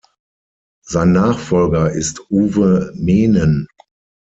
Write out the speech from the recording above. Sein Nachfolger ist Uwe Meenen.